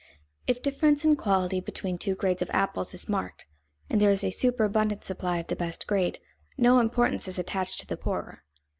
_ If difference in quality between two grades of apples is marked and there is a superabundant supply of the best grade, no importance is attached to the poorer.